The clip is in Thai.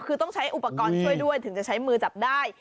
คือต้องใช้อุปกรณ์ช่วยด้วยถึงจะใช้มือจับได้